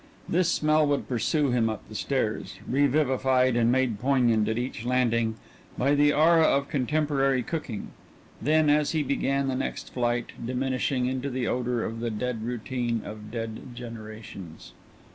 This smell would pursue him up the stairs, revivified and made poignant at each landing by the aura of contemporary cooking, then, as he began the next flight, diminishing into the odor of the dead routine of dead generations.